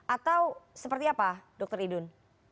atau seperti apa dr idun